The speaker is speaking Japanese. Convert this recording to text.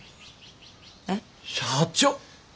えっ？社長！